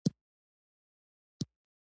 افغان ګاڼه او زیور په نړۍ کې خورا مشهور دي